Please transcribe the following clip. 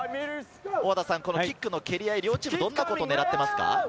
キックの蹴り合い、両チーム、どんなことを狙っていますか？